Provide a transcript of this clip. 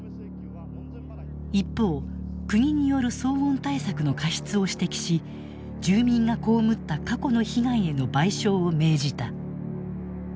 一方国による騒音対策の過失を指摘し住民が被った過去の被害への賠償を命じた。